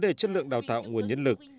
vấn đề chất lượng đào tạo nguồn nhân lực